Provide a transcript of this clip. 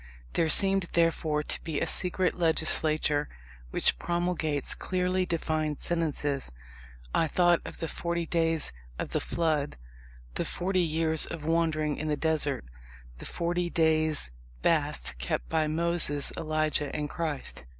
There seemed, therefore, to be a secret legislature which promulgates clearly defined sentences. I thought of the forty days of the Flood, the forty years of wandering in the desert, the forty days' fast kept by Moses, Elijah, and Christ.